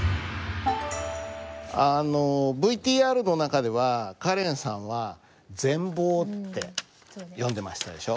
あのＶＴＲの中ではカレンさんは「ぜんぼう」って読んでましたでしょ。